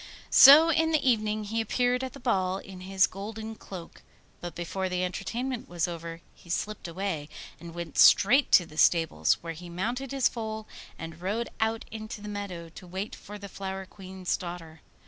So in the evening he appeared at the ball in his golden cloak; but before the entertainment was over he slipped away, and went straight to the stables, where he mounted his foal and rode out into the meadow to wait for the Flower Queen's daughter.